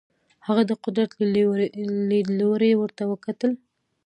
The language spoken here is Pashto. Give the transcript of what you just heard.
هغه د قدرت له لیدلوري ورته وکتل.